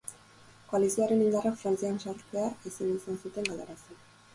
Koalizioaren indarrak Frantzian sartzea ezin izan zuten galarazi.